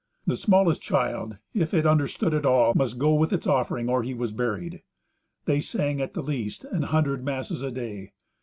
The smallest child, if he understood all, must go with its offering or he was buried. They sang at the least an hundred masses a day.